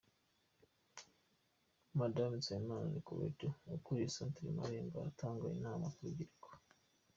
Mme Nsabimana Nicolette, ukuriye Centre Marembo, aratanga inama ku rubyiruko.